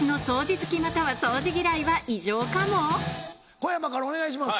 小山からお願いします。